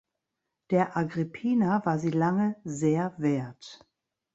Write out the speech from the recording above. Der Agrippina war sie lange „sehr wert“.